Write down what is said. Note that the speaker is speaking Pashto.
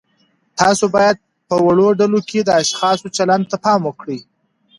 تاسو باید په وړو ډلو کې د اشخاصو چلند ته پام وکړئ.